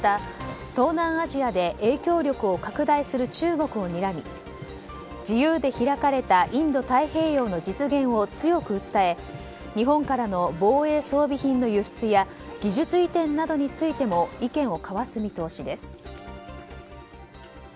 また、東南アジアで影響力を拡大する中国をにらみ自由で開かれたインド太平洋の実現を強く訴え日本からの防衛装備品の輸出や技術移転などについても意見を交わす見通しです。